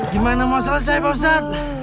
gimana mau selesai pak ustadz